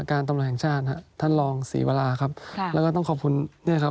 การตำหน่อยแห่งชาญฮะท่านรองศรีวราครับแล้วก็ต้องขอบคุณเนี้ยครับ